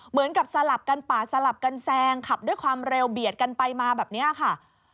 เหมือนกับสลับกันปาดสลับกันแซงขับด้วยความเร็วเบียดกันไปมาแบบนี้ค่ะ